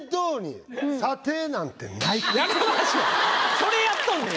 それやっとんねん。